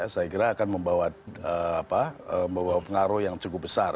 saya kira akan membawa pengaruh yang cukup besar